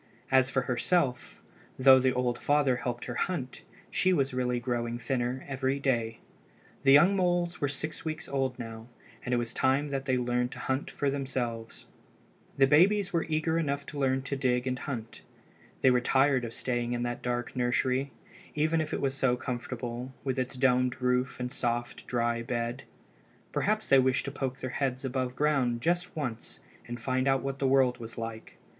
As for herself, though the old father helped her hunt she was really growing thinner every day. The young moles were six weeks old now, and it was time that they learned to hunt for themselves. [Illustration: THE MOLE. "The greedy young ones shoved and pushed and fought as if they were starving." Page 152.] The babies were eager enough to learn to dig and hunt. They were tired of staying in that dark nursery, even if it was so comfortable, with its domed roof and soft, dry bed. Perhaps they wished to poke their heads above ground just once and find out what the world was like.